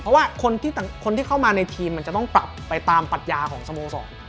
เพราะว่าคนที่เข้ามาในทีมจะต้องปรับไปตามปัโยคสมศตรก